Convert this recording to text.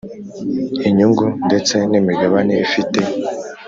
Inyungu ndetse n imigabane ifite